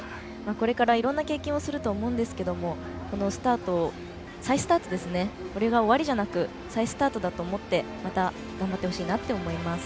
これからいろんな経験をすると思うんですけれどもスタートこれが終わりじゃなく再スタートだと思ってまた、頑張ってほしいと思います。